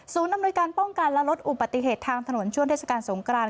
อำนวยการป้องกันและลดอุบัติเหตุทางถนนช่วงเทศกาลสงกราน